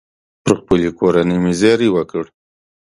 پر خپلې کورنۍ مې زېری وکړ.